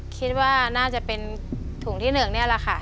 คิดว่าน่าจะเป็นถุงที่๑นี่แหละค่ะ